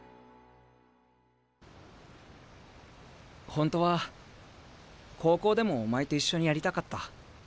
本当は高校でもお前と一緒にやりたかった。